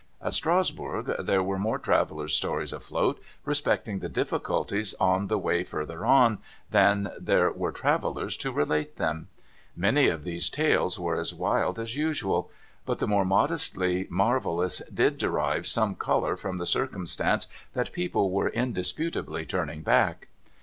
At Strasbourg there were more travellers' stories afloat, respecting the difficulties of the way further on, than there were travellers to relate them. Many of these tales were as wild as usual ; but the more modestly marvellous did derive some colour from the circum stance that people were indisputably turning back.